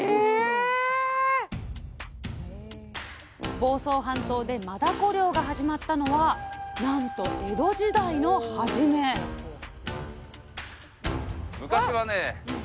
房総半島でマダコ漁が始まったのはなんと江戸時代の初め昔はね